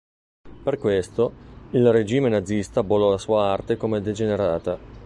Per questo, il regime nazista bollò la sua arte come "degenerata".